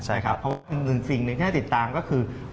อีกหนึ่งสิ่งที่เราได้ติดตามก็คือ